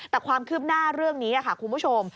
แต่ความคืบหน้าเรื่องนี้ค่ะคุณผู้ชม